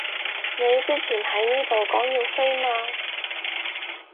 你之前喺呢度講要飛嘛